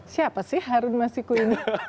siapa sih harun masiku ini